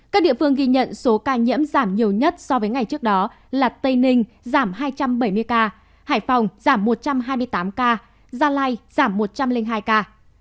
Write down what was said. các địa phương ghi nhận số ca nhiễm giảm nhiều nhất so với ngày trước đó là tây ninh giảm hai trăm bảy mươi ca hải phòng giảm một trăm hai mươi tám ca gia lai giảm một trăm linh hai ca